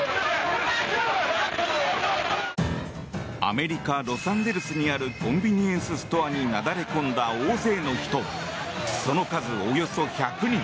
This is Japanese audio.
アメリカ・ロサンゼルスにあるコンビニエンスストアになだれ込んだ大勢の人。